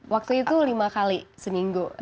waktu itu lima kali seminggu